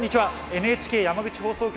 ＮＨＫ山口放送局